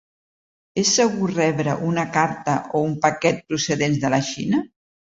És segur rebre una carta o un paquet procedents de la Xina?